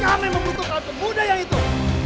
kami membutuhkan pemuda yang itu